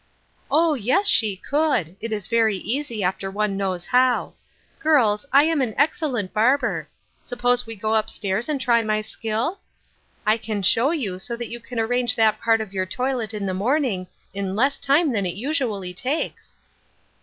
" Oh yes, she could. It is very easy after one knows how. Girls, I am an excellent barber. Suppose we go up stairs and try my skill ? I can show vou so that you can arran^je that part Wherefore f 355 of your toilet in the morning in less time than it usually takes."